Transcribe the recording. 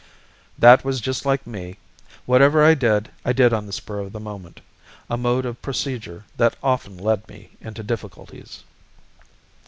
That was just like me. Whatever I did, I did on the spur of the moment, a mode of procedure that often led me into difficulties.